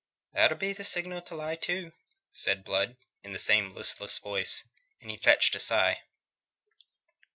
"That'll be the signal to lie to," said Blood, in the same listless voice; and he fetched a sigh.